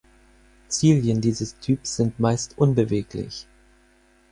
Zilien dieses Typs sind meist unbeweglich.